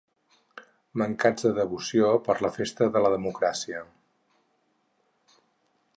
Mancats de devoció per la festa de la democràcia.